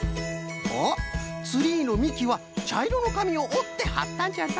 おっツリーのみきはちゃいろのかみをおってはったんじゃな。